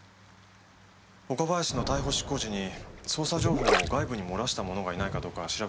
岡林の逮捕執行時に捜査情報を外部に漏らした者がいないかどうか調べてほしい。